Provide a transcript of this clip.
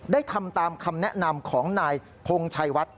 ทำตามคำแนะนำของนายพงชัยวัด